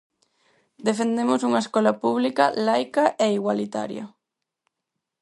Defendemos unha escola pública, laica e igualitaria.